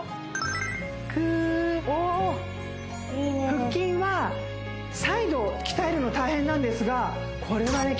腹筋はサイドを鍛えるの大変なんですがこれはね